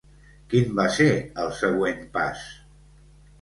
Quin va ser el següent pas?